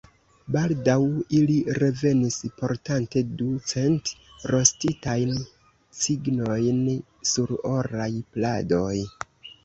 Baldaŭ ili revenis, portante du cent rostitajn cignojn sur oraj pladoj.